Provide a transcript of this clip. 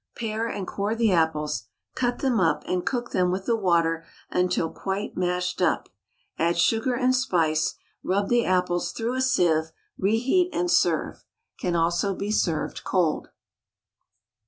Pare and core the apples, cut them up, and cook them with the water until quite mashed up, add sugar and spice. Rub the apples through a sieve, re heat, and serve. Can also be served cold.